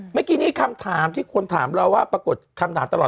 เมื่อกี้นี้คำถามที่คนถามเราว่าปรากฏคำถามตลอด